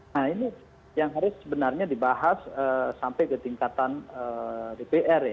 nah ini yang harus sebenarnya dibahas sampai ke tingkatan dpr ya